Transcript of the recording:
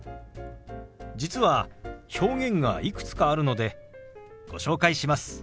実は表現がいくつかあるのでご紹介します。